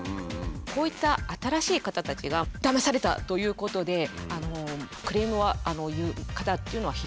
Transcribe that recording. こういった新しい方たちがダマされた！ということでなるほど。